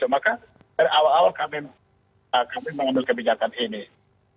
maka dari awal awal kami mengambil kebijakan ini